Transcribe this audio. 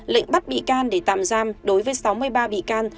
lệnh bắt bị can để tạm giam đối với sáu mươi ba bị can